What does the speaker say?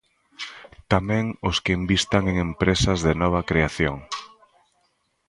Tamén os que invistan en empresas de nova creación.